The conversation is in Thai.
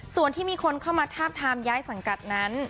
ส่วนที่มีคนเข้ามาทาบทามย้ายสังกัดนั้น